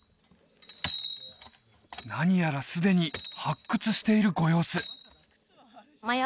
何やらすでに発掘しているご様子マヤ